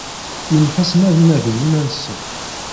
Yunfa-sen ad nadin iman-nsen.